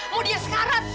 mau dia sekarat